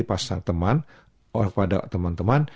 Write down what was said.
pas teman kepada teman teman